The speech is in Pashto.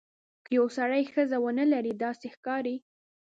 که یو سړی ښځه ونه لري داسې ښکاري.